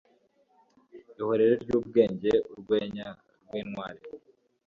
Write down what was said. Ihorere ryubwenge urwenya rwintwari